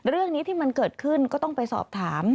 เรื่องนี้ที่มันเกิดขึ้นก็ต้องไปสอบถาม